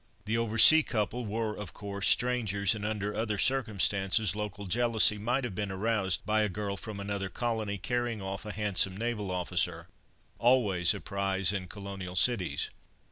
The over sea couple were, of course, strangers, and under other circumstances, local jealousy might have been aroused by a girl from another colony carrying off a handsome naval officer, always a prize in colonial cities.